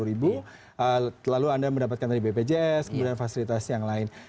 rp tiga tiga ratus lima puluh lalu anda mendapatkan dari bpjs kemudian fasilitas yang lain